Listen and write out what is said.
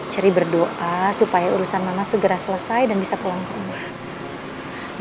cari berdoa supaya urusan mama segera selesai dan bisa pulang ke rumah